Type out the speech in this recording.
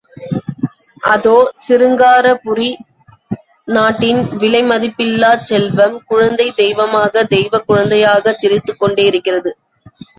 அதோ, சிருங்காரபுரி நாட்டின் விலைமதிப்பில்லாச் செல்வம், குழந்தைத் தெய்வமாக – தெய்வக் குழந்தையாகச் சிரித்துக் கொண்டே இருக்கிறது!